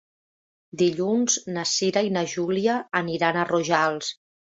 Dilluns na Cira i na Júlia aniran a Rojals.